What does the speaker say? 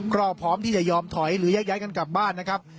ก็พร้อมที่จะยอมถอยหรือแยกย้ายกันกลับบ้านนะครับ